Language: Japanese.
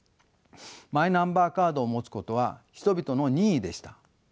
マイナンバーカードを持つことは人々の任意でした。